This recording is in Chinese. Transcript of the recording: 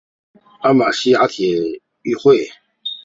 艾马希亚体育会。